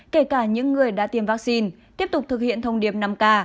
kể cả những người đã tiêm vaccine tiếp tục thực hiện thông điệp năm k